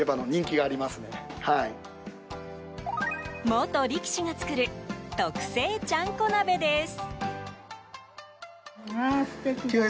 元力士が作る特製ちゃんこ鍋です。